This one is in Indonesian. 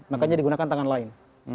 makanya digunakan tangan lain